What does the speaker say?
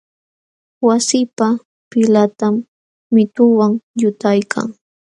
Wasipa pilqantam mituwan llutaykan.